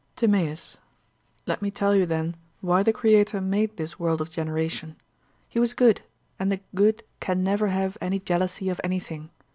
TIMAEUS: Let me tell you then why the creator made this world of generation. He was good, and the good can never have any jealousy of anything.